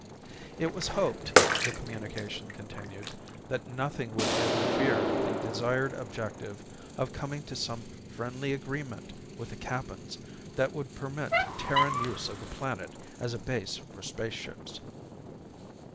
It was hoped, the communication continued, that nothing would interfere with the desired objective of coming to some friendly agreement with the Kappans that would permit Terran use of the planet as a base for spaceships.